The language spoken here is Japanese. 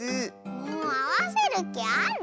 もうあわせるきある？